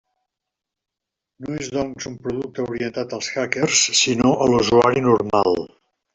No és doncs un producte orientat als hackers, sinó a l'usuari normal.